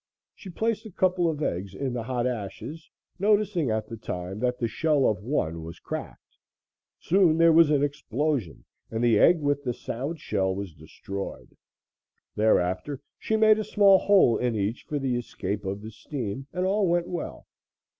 She placed a couple of eggs in the hot ashes, noticing at the time that the shell of one was cracked; soon there was an explosion and the egg with the sound shell was destroyed. Thereafter she made a small hole in each for the escape of the steam and all went well.